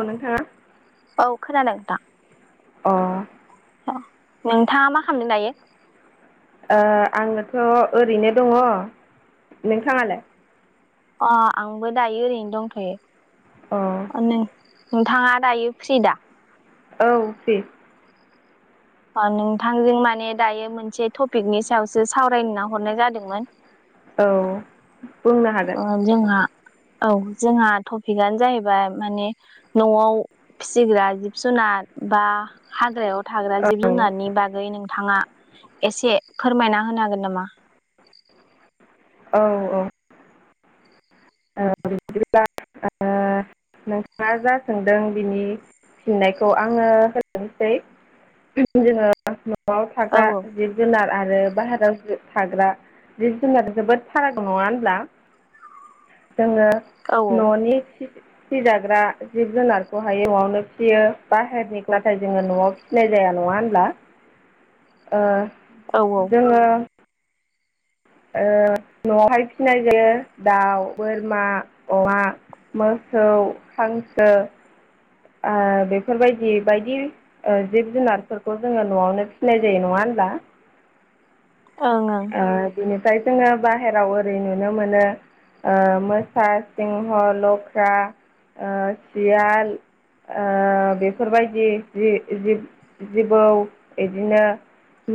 औ नोंथाङा औ खोनादों नोंथां। अ। नोंथाङा मा खालामदों दायो? ओ आंओथ' ओरैनो दङ नोंथाङालाय? अ आंबो दायो ओरैनो दंथ'यो। अ। नोंथाङा दायो फ्रि दा? औ फ्रि। ओ नोंथांजों माने दायो मोनसे टपिकनि सायावसो सावरायनो होनना हरनाय जादोंमोन। औ बुंनो हागोन। ओ जोंहा औ जोंहा टपिकआनो जाहैबाय माने न'आव फिसिग्रा जिब जुनार बा हाग्रायाव थाग्रा जिब औ जुनारनि बागै नोंथाङा एसे फोरमायना होनो हागोन नामा? औ औ औ बिदिब्ला आ नोंथाङा जा सोंदों बिनि फिननायखौ आङो होग्रोनिसै जोङो न'आव औ थाग्रा जिब जुनार आरो बाहेरायाव थाग्रा जिब जुनार निफ्रायबो जोबोद फाराग नङा होनब्ला औ जोङो न'नि फिसिजाग्रा जिब जुनारखौहायो न'आवनो फिसियो बाहेरनि नाथाय जोङो न'आव फिनाय जाया नङा होमब्ला। [inaudible] ओ औ जोङो। ओ न'आवहाय फिनाय जायो दाउ, बोरमा, अमा मोसौ, हांसो आ बेफोरबायदि बायदि ओ जिब जुनारफोरखौ जोङो न'आवनो फिसिनाय जायो नङा होमब्ला? औ ओं ओ बिनिफ्राय जोङो बाहेराव ओरै नुनो मोनो। ओ मोसा, सिंह, लख्रा ओ सियाल ओ बेफोरबायदि जि जिब जिबौ बिदिनो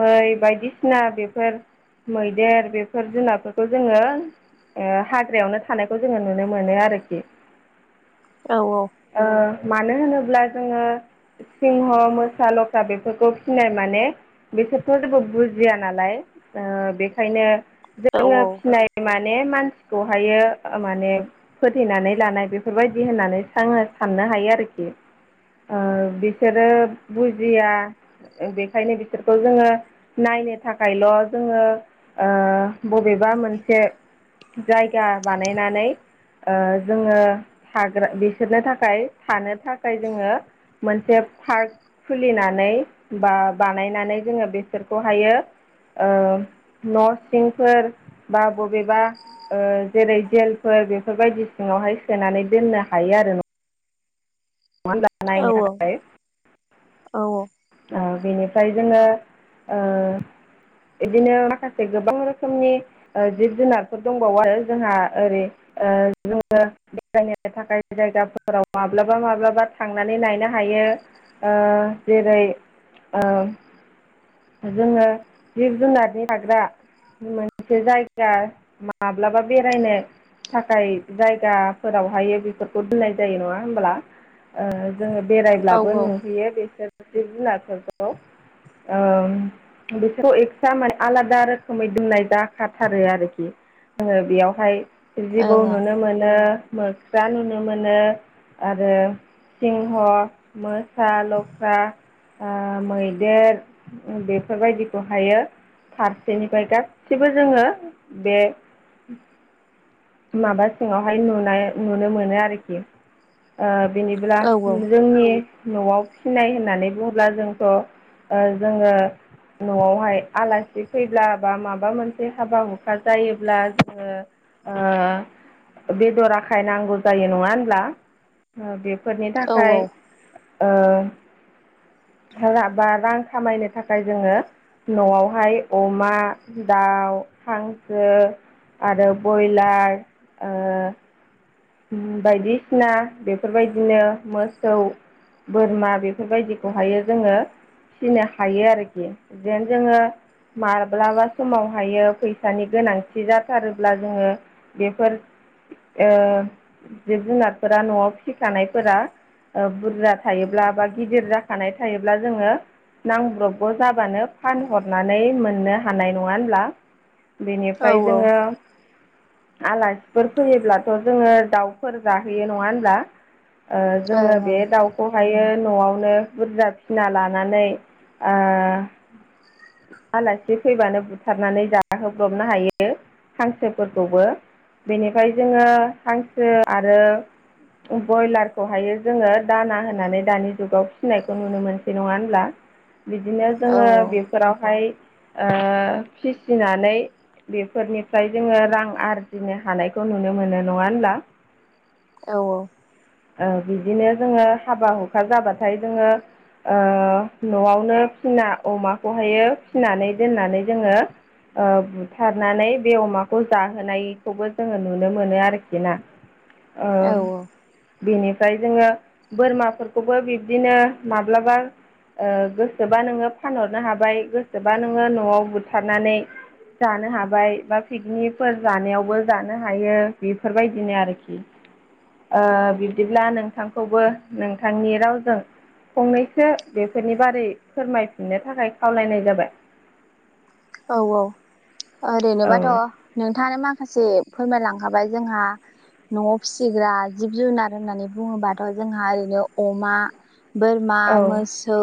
मै बायदिसिना बेफोर मैदेर बेफोर जुनारफोरखौ जोङो ओ हाग्रायावनो थानायखौ जोङो नुनो मोनो आरोखि। औ औ ओ मानो होनोब्ला जोङो। सिंह, मोसा, लख्रा बेफोरखौ फिनाय माने बिसोरथ' जेबो बुजिया नालाय ओ बेखायनो औ जोङो फिनाय माने मानसिखौहायो माने फोथैनानै लानाय बेफोरबायदि होननानैसो साननो हायो आरोखि। ओ बिसोरो बुजिया। बेखायनो बिसोरखौ जोङो नायनो थाखायल' जोङो ओ बबेबा मोनसे जायगा बानायनानै, ओ जोङो थाग्रा बिसोरनो थाखाय थानो थाखाय जोङो मोनसे पार्क खुलिनानै बा बानायनानै जोङो बेफोरखौ हायो। ओ न'सिंफोर बा बबेबा ओ जेरै जेलफोर बेफोरबायदि सिङावहाय सोनानै दोननो हायो आरो ना। नङा होमबा औ नायनो औ थाखाय। औ ओ बेनिफ्राय जोङो ओ, बिदिनो माखासे गोबां रोखोमनि जिब जुनारफोर दंबावो जोंहा ओरै ओ जोङो बेरायनो थाखाय जायगाफोराव माब्लाबा माब्लाबा बा थांनानै लायनो हायो ओ जेरै ओ जोङो जिब जुनारनि थाग्रा मोनसे जायगा माब्लाबा बेरायनो। थाखाय जायगाफोरावहायो बेफोरखौ दोननाय जायो नङा होमब्ला? ओ जोङो औ बेरायब्लाबो औ नुहैयो बेफोर‌ जिब जुनारफोरखौ। औ बिसोरखौ एक्सट्रा माने आलादा रोखोमै दोननाय जाखाथारो आरोखि। जोङो बेयावहाय ओं जिबौ ओं नुनो मोनो। मोख्रा नुनो मोनो आरो सिंह मो सा लख्रा ओ मैदेर बेफोरबायदिखौहायो फारसेनिफ्राय गासिबो जोङो बे माबा सिङावहाय नुनाय नुनो मोनो आरोखि। ओ बिनिब्ला औ जोंनि न'आव फिसिनाय होननानै बुङोब्ला जोंथ' ओ जोङो न'आवहाय आलासि फैब्ला बा माबा मोनसे हाबा हुखा जायोब्ला जोङो ओ बेदर आखाय नांगौ जायो नङा होनब्ला? बेफोरनि औ थाखाय ओ राबा रां खामायनो थाखाय जोङो न'आवहाय अमा दाउ हांसो आरो बयलार ओ बायदिसिना बेफोरबायदिनो मोसौ बोरमा बेफोरबायदिखौहायो जोङो फिनो हायो आरोखि जेन जोङो माब्लाबा समावहायो फैसानि गोनांथि जाथारोब्ला जोङो बेफोर ओ जिब जुनारफोरा न'आव फिखानायफोरा बुरजा थायोब्ला बा गिदिर जाखानाय थायोब्ला जोङो नांब्रबगौ जाबानो फानहरनानै मोननो हानाय नङा होनब्ला? बेनिफ्राय औ जोङो आलासिफोर फैयोब्लाथ' जोङो दाउफोर जाहोयो नङा होनब्ला ओ औ जोङो बे दाउ खौहायो न'आवनो बुरजा फिना लानानै ओ आलासि फैबानो बुथारनानै जाहोब्रबनो हायो। हांसोफोरखौबो बेनिफ्राय जोङो हांसो आरो बयलारखौहायो जोङो दाना होनानै दानि जुगाव फिसिनायखौ नुनो मोनसै नङा होनब्ला? [unintelligible] बिदिनो जोङो ओं बेफोरावहाय ओ फिसिनानै बेफोरनिफ्राय जोङो रां आरजिनो हानायखौ नुनो मोनो नङा होनब्ला? औ औ ओ बिदिनो जोङो हाबा हुखा जाबाथाय जोङो ओ न'आवनो फिना अमाखौहायो फिनानै दोननानै जोङो ओ बुथारनानै बे अमाखौ जाहोनायखौबो जोङो नुनो मोनो आरोखि ना। औ ओम बेनिफ्राय जोङो बोरमाफोरखौबो बिब्दिनो माब्लाबा ओ गोसोबा नोङो फानहरनो हाबाय गोसोबा नोङो न'आव बुथारनानै जानो हाबाय बा पिकनिकफोर जानायावबो जानो हायो बेफोरबायदिनो आरो खि ओ बिब्दिब्ला नोंथांखौबो नोंथांनि रावजों फंनैसो बेफोरनि बारै फोरमायफिननो थाखाय खावलायनाय जाबाय। औ औ औ ओरैनोबाथ' नोंथाङानो माखासे फोरमायलांखाबाय जोंहा न'आव फिसिग्रा जिब जुनार होननानै बुङोबाथ' जोंहा ओरैनो अमा बोरमा औ मोसौ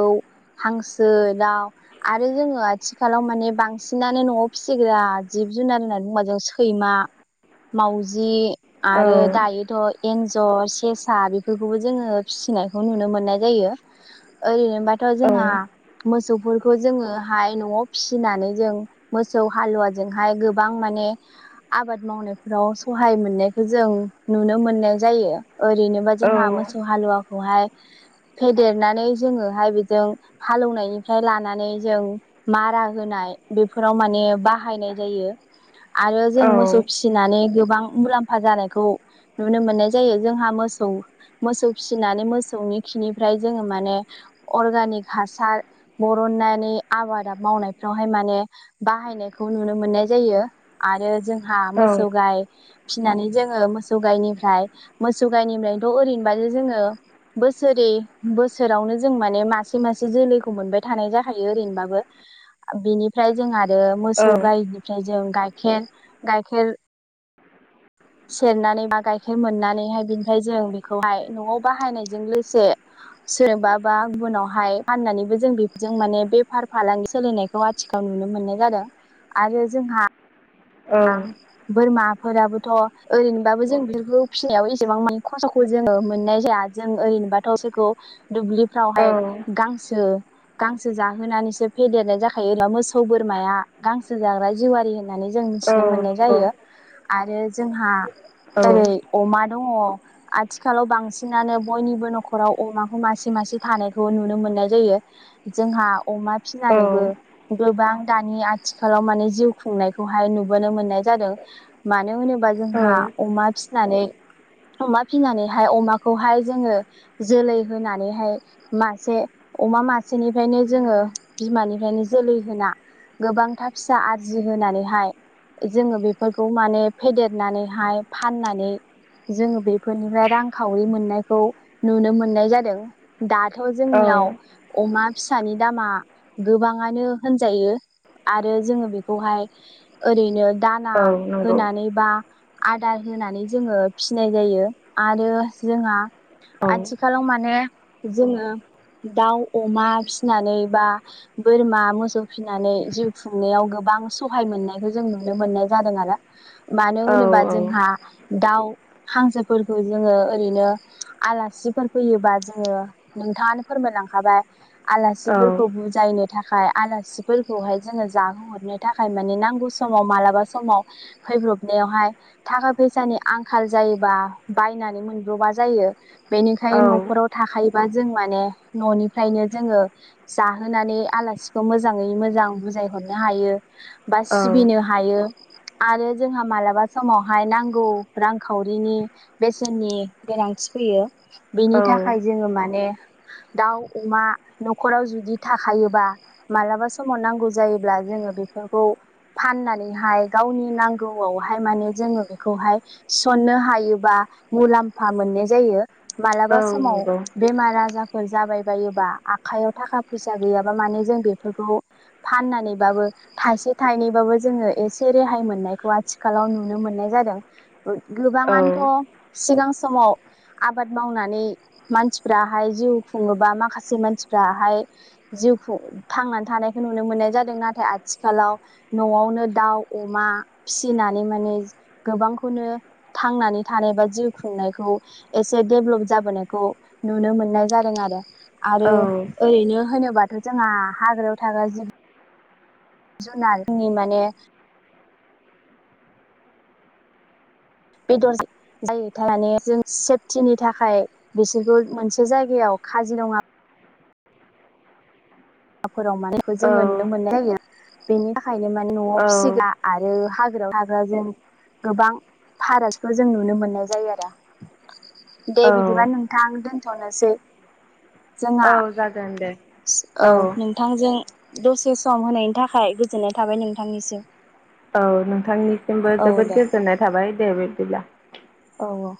हांसो दाउ आरो जोङो आथिखालाव माने बांसिनानो न'आव फिसिग्रा जिब जुनार होननानै बुंबा जों सैमा मावजि औ आरो दायो थ' एन्जर सेसा बेफोरखौबो जोङो फिसिनायखौ नुनो मोननाय जायो। ओरैनोबाथ' औ जोंहा मोसौफोरखौ जोङोहाय न'आव फिसिनानै जों मोसौ हालुवाजोंहाय गोबां माने आबाद मावनायफोराव सहाय मोननायखौ जों नुनो मोननाय जायो ओरैनोबा जोंहा मोसौ हालुवाखौहाय फेदेरनानै जोङोहाय बिजों हालौवनायनिफ्राय लानानै जों मारा होनाय बेफोराव माने बाहायनाय जायो आरो औ जों मोसौ फिस फिसिनानै गोबां मुलाम्फा जानायखौ नुनो मोननाय जायो जोंहा मोसौ मोसौ फिसिनानै मोसौनि खिनिफ्राय जोङो माने अर्गेनिक हासार बरननानै आबाद मावनायफ्रावहाय माने बाहायनायखौ नुनो मोननाय जायो आरो जोंहा मोसौ गाय फिसिनानै जोङो मोसौ गायनिफ्राय मोसौ गायनिफ्रायनोथ' ओरैनोबाजे जोङो बोसोरै बोसोरावनो जों माने मासे मासे जोलैखौ मोनबाय थानाय जाखायो ओरैनोबाबो बिनिफ्राय जों आरो मोसौ औ गायनि फ्राय जों गाइखेर गाइखेर सेरनानै बा गाइखेर मोननानैहाय बिनिफ्राय जों बेखौहाय न'आव बाहायनायजों लोगोसे सोरबा बा गुबुनावहाय फाननानैबो जों बेफोरजों माने बेफार फालांगि सोलिनायखौहाय [unintelligible] नुनो मोननाय जादों आरो जोंहा बोरमाफोराबोथ' ओरैनोबाबो जों बेफोरखौ फिसिनायाव एसेबां माने खस्थ'खौ जोङो मोननाय जाया जों ओरैनोबाथ' बेखौ दुब्लि औ फोरावहाय गांसो गांसो जाहोनानैसो फेदेरनाय जा खायो दा मोसौ बोरमाया गांसो जाग्रा जिवारि होननानै जों मिथिनो औ मोननाय नंगौ जायो आरो जोंहा औ जेरै अमा दङ आथिखालाव बांसिनानो बयनिबो न'खराव अमाखौ मासे मासे थानायखौ नुनो मोननाय जायो जोंहा अमा औ फिसिनानैबो गोबां दानि आथिखालाव माने जिउ खुंनायखौहाय नुबोनो मोननाय जादों मानो होनोबा औ जोंहा अमा फिसिनानै अमा फिसिनानैहाय अमाखौहाय जोङो जोलै होनानैहाय मासे अमा मासेनिफ्रायनो जोङो बिमानिफ्रायनो जोलै होना गोबांथार फिसा आरजि होनानैहाय जोङो बेफोरखौ माने फेदेरनानैहाय फाननानै जोङो बेफोरनिफ्राय रांखावरि मोननायखौ नुनो मोननाय जादों दाथ' औ जोंनियाव अमा फिसानि दामा गोबां आनो होनजायो आरो जोङो बेखौहाय ओरैनो दाना औ नंगौ होनानै बा आदार होनानै जोङो फिसिनाय जायो आरो जोंहा औ आथिखालाव माने जोङो दाउ अमा फिसिनानै बा बोरमा मोसौ फिसिनानै जिउ खुंनायाव गोबां सहाय मोननायखौ जों नुनो मोननाय जादों आरो मानो औ होनोबा जोंहा दाउ हांसोफोरखौ जोङो ओरैनो आलासिफोर फैयोबा जोङो नोंथाङानो फोरमायलांखाबाय औ आलासिफोरखौ बुजायनो थाखाय आलासिफोरखौहाय जोङो जाहोहरनो थाखाय माने नांगौ समाव मालाबा समाव फैब्रबनायावहाय थाखा फैसानि आंखाल जायोबा बायनानै मोनब्रबा जायो औ बेनिखायनो नख'राव थाखायोबा जों माने न'निफ्रायनो जोङो जाहोनानै आलासिखौ मोजाङै मोजां बुजायहरनो हायो बा सिबिनो हायो आरो जोंहा मालाबा समावहाय नांगौ रांखावरिनि बेसेननि गोनांथि फैयो। बेनि थाखाय जोङो माने दाउ अमा न'खराव जुदि थाखायो। बा मालाबा समाव नांगौ जायोब्ला जोङो बेफोरखौ। फाननानैहाय गावनि नांगौआवहाय माने जोङो बेखौहाय। थिसननो हायो बा मुलाम्फा मोननाय जायो। मालाबा समाव नंगौ बेमार आजारफोर जाबायबायोबा आखाइयाव थाखा फैसा गैयाब बा माने जों बेफोरखौ फाननानैबाबो। थायसे थाइनैबाबो जोङो एसे रेहाय मोननायखौ आथिखालाव नुनो मोननाय जादों। औ गोबाआनोथ' सिगां समाव। आबाद मावनानै मानसिफ्राहाय जिउ खुङोबा माखासे मानसिफ्राहाय। जिउखु थांनानै थानायखौ नुनो मोननाय जादों नाथाय आथिखालाव। न'आवनो दाउ अमा फिसिनानै माने गोबांखौनो। थांनानै थानाय बा जिउ खुंनायखौ। एसे डेब्भलप जाबोनायखौ नुनो मोननाय जादों आरो। आरो औ ओरैनो होनोबाथ' जोंहा हाग्रायाव थाग्रा जिब। जुनार जोंनि माने। बेदर जा जायो [unintelligible] जों सेफटिनि थाखाय बिसोरखौ मोनसे जायगायाव खाजिरङा रङा फोराव माने बेखौ जोङो नुनो मोननाय जायो बेनि थाखायनो माने न'आव फिसिग्रा। आरो हाग्रायाव थाग्राजों गोबां फारागथिखौ जों नुनो मोननाय जायो आरो। दे औ बिदिबा नोंथां दोनथ'नोसै। जोंहा औ जागोन दे। औ नोंथांजों दसे सम होनायनि थाखाय गोजोननाय थाबाय नोंथांनिसिम। औ नोंथांनिसिमबो औ जोबोद दे गोजोननाय थाबाय दे बिब्दिब्ला। औ औ।